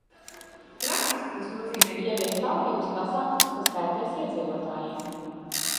Praktiski tas nozīmē ieviest taupības pasākumus, kas kaitēs iedzīvotājiem.